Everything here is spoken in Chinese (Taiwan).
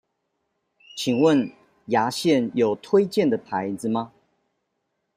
請問牙線有推薦的牌子嗎？